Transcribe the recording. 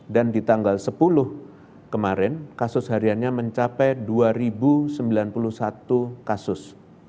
dan di tanggal sepuluh kemarin kasus hariannya mencapai dua sembilan puluh satu kasus